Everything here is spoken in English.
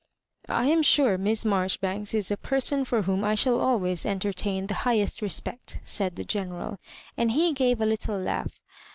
" I am sure Miss Marjoribanks is a person for whom I shall always entertain the highest re spect," said the General, and he gave a little laugh.